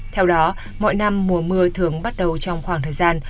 theo đó mọi năm mùa mưa thường bắt đầu trong khoảng thời gian